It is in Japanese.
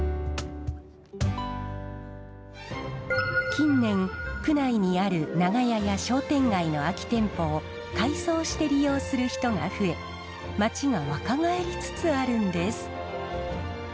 近年区内にある長屋や商店街の空き店舗を改装して利用する人が増え街が若返りつつあるんです。